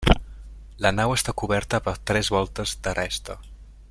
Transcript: La nau està coberta per tres voltes d'aresta.